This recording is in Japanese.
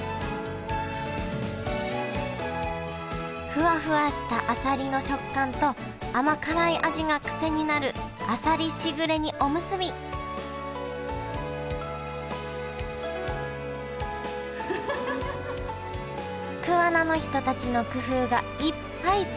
ふわふわしたあさりの食感と甘辛い味が癖になるあさりしぐれ煮おむすび桑名の人たちの工夫がいっぱい詰まったおむすびです